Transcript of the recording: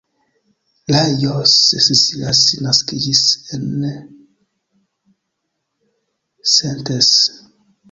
Lajos Szilassi naskiĝis la en Szentes.